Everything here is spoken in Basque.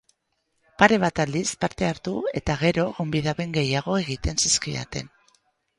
Pare bat aldiz parte hartu eta gero, gonbidapen gehiago egiten zizkidaten.